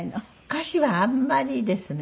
お菓子はあんまりですね。